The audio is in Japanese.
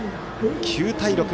９対６。